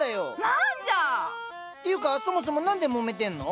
何じゃ！っていうかそもそも何でもめてんの？